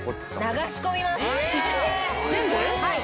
はい。